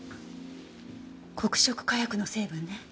黒色火薬の成分ね。